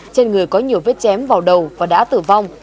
trên người có nhiều vết chém vào đầu và đã tử vong